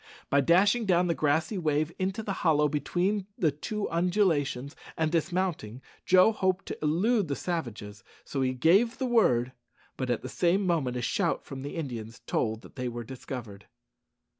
By dashing down the grassy wave into the hollow between the two undulations, and dismounting, Joe hoped to elude the savages, so he gave the word; but at the same moment a shout from the Indians told that they were discovered.